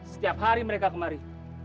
setiap hari mereka kemari